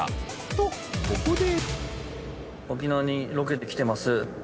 ［とここで］